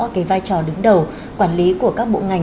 cái vai trò đứng đầu quản lý của các bộ ngành